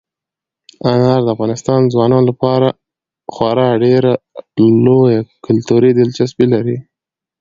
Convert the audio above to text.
انار د افغان ځوانانو لپاره خورا ډېره لویه کلتوري دلچسپي لري.